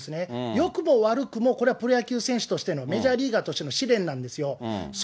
よくも悪くも、これはプロ野球選手としての、メジャーリーガーとしての試練なんですよ。